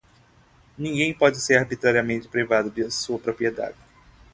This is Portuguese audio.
Ninguém pode ser arbitrariamente privado da sua propriedade.